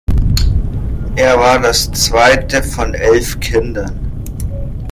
Er war das zweite von elf Kindern.